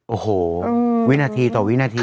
โอ้โหวินาทีต่อวินาที